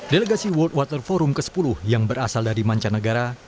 delegasi world water forum ke sepuluh yang berasal dari mancanegara